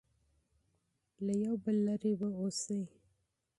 فاصله مراعات کړئ.